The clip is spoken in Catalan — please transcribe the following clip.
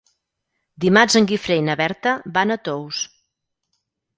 Dimarts en Guifré i na Berta van a Tous.